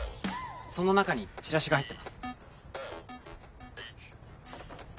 その中にチラシが入ってます